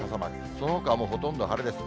そのほかはもうほとんど晴れです。